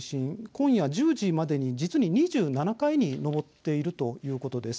今夜１０時までに実に２７回に上っているということです。